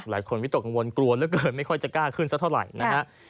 หลายคนวิตกกังวลกลัวแล้วเกินไม่ค่อยจะกล้าขึ้นซะเท่าไหร่นะ